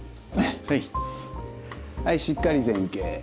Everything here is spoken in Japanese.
はいしっかり前傾。